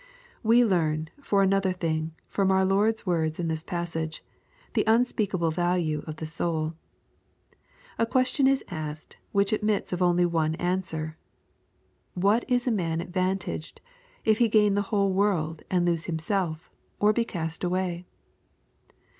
We learn, for another thing, from our Lord's words in this passage, the unspeakable valine of the soul. A ques tion is asked, which admits of only one answer —" What is a man advantaged if he gain the whole world and lose himself, or be cast away